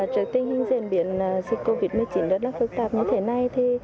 trước tình hình diễn biển dịch covid một mươi chín rất phức tạp như thế này